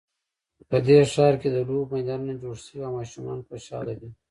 په دې ښار کې د لوبو میدانونه جوړ شوي او ماشومان خوشحاله دي